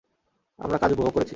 আমরা কাজ উপভোগ করেছি।